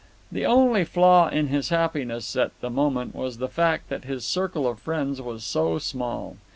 The only flaw in his happiness at the moment was the fact that his circle of friends was so small.